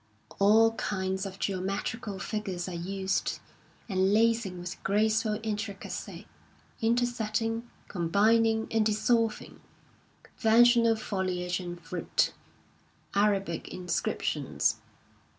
All kinds of geometrical figiu'es are used, enlacing with graceful intricacy, intersecting, combining and dissolving; conventional foliage and fruit, Arabic inscriptions.